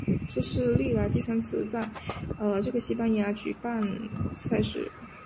这是历来第三次在西班牙举行赛事。